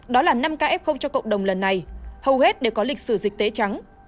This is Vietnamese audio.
đó là năm kf cho cộng đồng lần này hầu hết đều có lịch sử dịch tế trắng